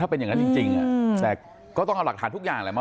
ถ้าเป็นอย่างนั้นจริงจริงอ่ะอืมแต่ก็ต้องเอาหลักฐานทุกอย่างเลย